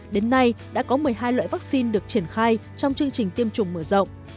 đến nay đã có một mươi hai loại vaccine được triển khai trong chương trình tiêm chủng mở rộng